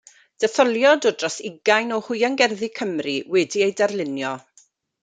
Detholiad o dros ugain o hwiangerddi Cymru, wedi eu darlunio.